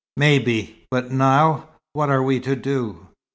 "Maybe. But now what are we to do?